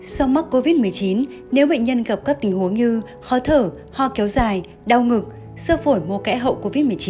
sau mắc covid một mươi chín nếu bệnh nhân gặp các tình huống như khó thở ho kéo dài đau ngực sơ phổi mô kẽ hậu covid một mươi chín